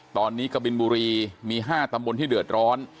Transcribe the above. ตอนนี้กะบินบุรีมี๕ตำบลที่เดือดร้อน